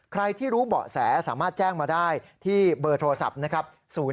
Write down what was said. ใครที่รู้เบาะแสสามารถแจ้งมาได้ที่เบอร์โทรศัพท์นะครับ